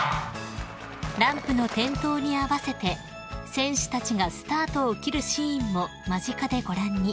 ［ランプの点灯に合わせて選手たちがスタートを切るシーンも間近でご覧に］